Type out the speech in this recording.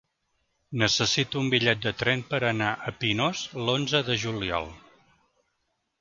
Necessito un bitllet de tren per anar a Pinós l'onze de juliol.